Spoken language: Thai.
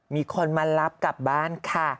มีคนมารับกลับบ้านค่ะ